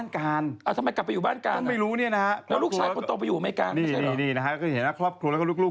ครอบครองและลูก